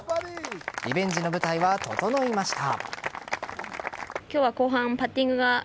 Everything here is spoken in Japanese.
リベンジの舞台は整いました。